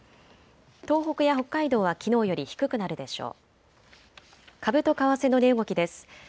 東北や北海道はきのうより低くなるでしょう。